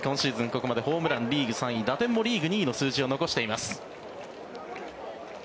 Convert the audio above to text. ここまでホームランリーグ３位打点もリーグ２位の数字を残しています。